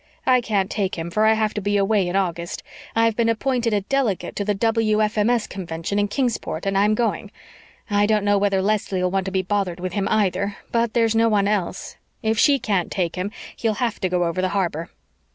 I can't take him, for I have to be away in August. I've been appointed a delegate to the W.F.M.S. convention in Kingsport and I'm going. I don't know whether Leslie'll want to be bothered with him, either, but there's no one else. If she can't take him he'll have to go over the harbor."